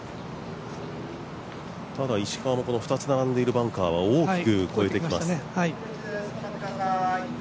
ただ、石川も２つ並んでいるバンカーは大きく越えています。